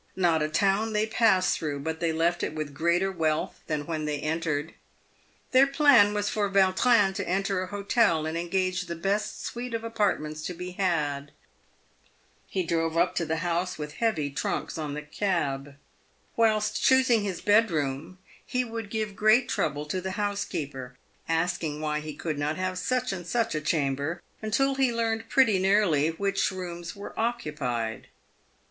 Not a town they passed through but they left it with greater wealth than when they entered. Their plan was for Yautrin to enter an hotel and engage the best suite of apartments to be had. He drove up to the house z2 340 PAVED WITH GOLD. with heavy trunks on the cab. "Whilst choosing his bedroom, he would give great trouble to the housekeeper, asking why he could not have such and such a chamber, until he learned pretty nearly which rooms were occupied.